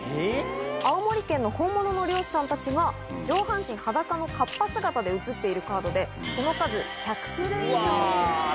青森県の本物の漁師さんたちが、上半身裸のかっぱ姿で写っているカードで、その数１００種類以上。